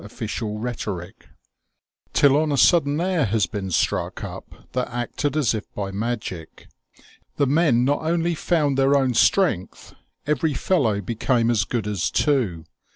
229 official rhetoric ; till on a sudden an air has been struck up that acted as if by magic. The men not only found their own strength, every fellow became as good as two.